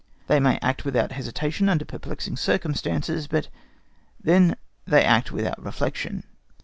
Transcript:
They may act without hesitation under perplexing circumstances, but then they act without reflection.